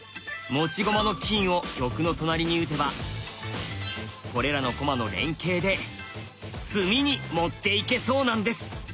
持ち駒の金を玉の隣に打てばこれらの駒の連携で詰みに持っていけそうなんです！